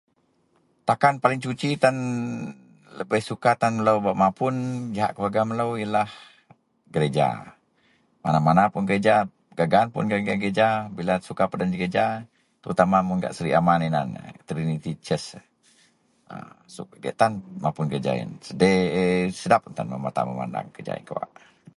Takan paling suci den lebeh suka tan melo mapun jahak keluarga melo iyenlah gerija mana-man puon gerija gak gaan puon gerija bila suka peden gerija terutama gak sri aman inan trinity church diyak tan mapun gerija iyen sedap tan mata memandang.